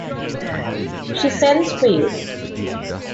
She sends for you.